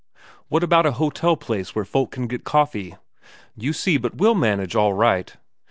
What about a hotel place where folk can get coffee? You see but we'll manage all right.